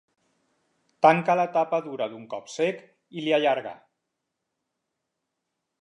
Tanca la tapa dura d'un cop sec i li allarga.